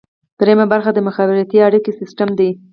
دریمه برخه د مخابراتي اړیکو سیستم دی.